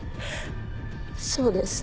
そうです。